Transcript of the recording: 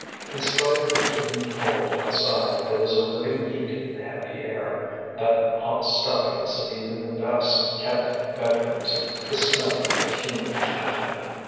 In spite of the keen cold outside, there was a living heat in the heavy air, that hot stuffiness of even the best kept bedrooms, the smell of human cattle.